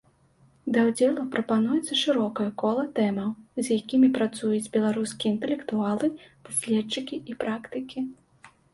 Да ўдзелу прапануецца шырокае кола тэмаў, з якімі працуюць беларускія інтэлектуалы, даследчыкі і практыкі.